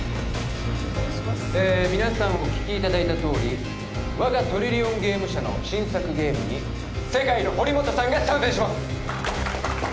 ええ皆さんお聞きいただいたとおり我がトリリオンゲーム社の新作ゲームに世界の堀本さんが参戦します！